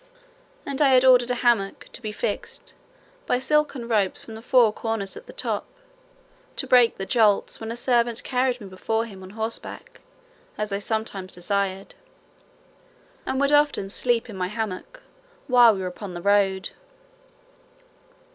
And I had ordered a hammock to be fixed, by silken ropes from the four corners at the top, to break the jolts, when a servant carried me before him on horseback, as I sometimes desired; and would often sleep in my hammock, while we were upon the road.